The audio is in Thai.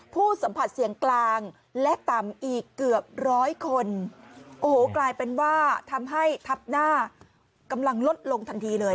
ผู้สัมผัสเสี่ยงกลางและต่ำอีกเกือบร้อยคนโอ้โหกลายเป็นว่าทำให้ทับหน้ากำลังลดลงทันทีเลย